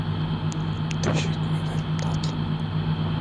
Teşekkür ederim tatlım.